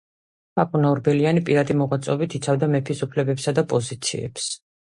პაპუნა ორბელიანი პირადი მოღვაწეობით იცავდა მეფის უფლებებსა და პოზიციებს.